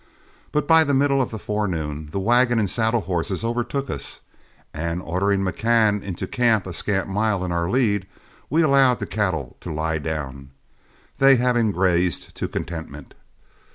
But by the middle of the forenoon, the wagon and saddle horses overtook us, and ordering McCann into camp a scant mile in our lead, we allowed the cattle to lie down, they having grazed to contentment.